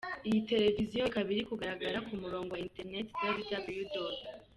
Iyi televiziyo ikaba iri kugaragara ku murongo wa interineti www.